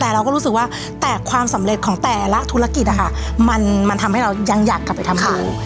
แต่เราก็รู้สึกว่าแต่ความสำเร็จของแต่ละธุรกิจนะคะมันทำให้เรายังอยากกลับไปทำอยู่